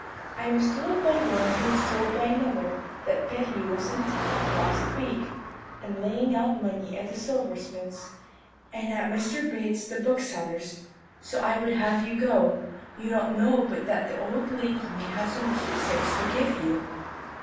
I was told by one who was told by another, that Betty was in town last week, and laying out money at the silversmith's, and at Mr. Bates the bookseller's, so I would have you go: you don't know but that the old lady may have some keepsakes to give you.'